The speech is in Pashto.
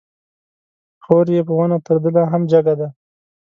خور يې په ونه تر ده لا هم جګه ده